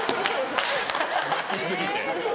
泣き過ぎて。